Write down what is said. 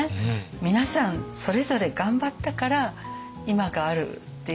皆さんそれぞれ頑張ったから今があるっていうか国ができた。